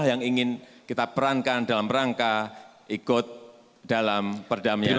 yang ingin kita perankan dalam rangka ikut dalam perdamaian